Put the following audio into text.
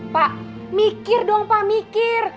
pak mikir dong pak mikir